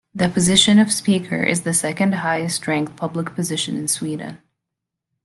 The position of speaker is the second highest ranked public position in Sweden.